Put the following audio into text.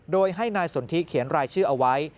โดยให้นายสนทิเขียนรายชื่อเอาไว้